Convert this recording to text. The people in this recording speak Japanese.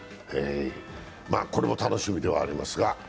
これも楽しみではありますが。